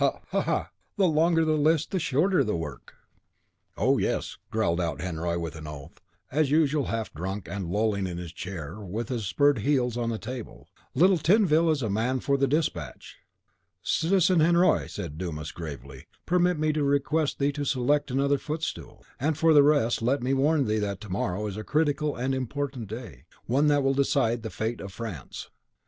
ha! the longer the list, the shorter the work." "Oh, yes," growled out Henriot, with an oath, as usual, half drunk, and lolling on his chair, with his spurred heels on the table, "little Tinville is the man for despatch." "Citizen Henriot," said Dumas, gravely, "permit me to request thee to select another footstool; and for the rest, let me warn thee that to morrow is a critical and important day; one that will decide the fate of France."